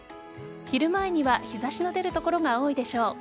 昼前には日差しの出る所が多いでしょう。